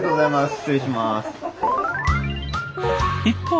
失礼します。